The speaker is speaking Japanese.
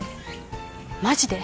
マジで？